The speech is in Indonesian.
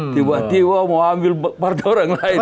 tiba tiba mau ambil partai orang lain